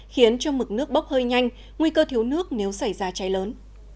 khiến cho mực nước bốc hơi nhanh nguy cơ thiếu nước nếu xảy ra cháy lớn